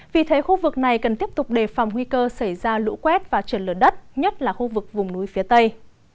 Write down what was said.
vì thế khu vực này cần tiếp tục đề phòng nguy cơ xảy ra lũ quét và trở lở đất nhất là khu vực vùng núi phía tây